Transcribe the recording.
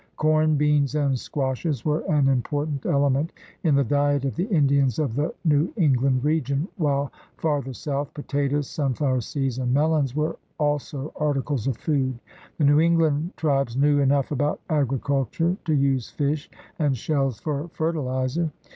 Corn, beans, and squashes were an important element in the diet of the Indians of the New England region, while farther south potatoes, sunflower seeds, and melons were also articles of food. The New England tribes knew enough about agriculture to use fish and shells for fertilizer.